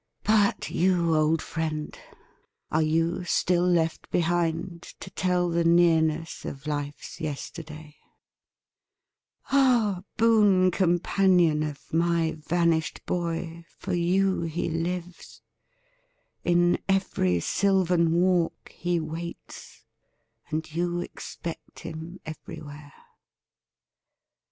But you old friend, are you still left behind To tell the nearness of life's yesterday ? THE FALLEN 379 Ah, boon companion of my vanished boy, For you he lives ; in every sylvan walk He waits ; and you expect him everywhere.